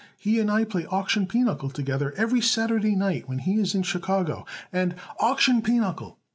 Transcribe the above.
He and I play auction pinochle together every Saturday night when he is in Chicago, and " "Auction pinochle!"